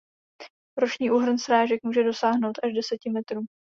Roční úhrn srážek může dosáhnout až deseti metrů.